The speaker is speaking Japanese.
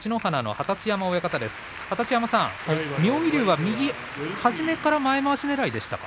二十山さん、妙義龍は初めから前まわしねらいでしたか。